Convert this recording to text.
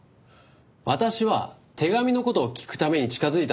私は手紙の事を聞くために近づいただけで。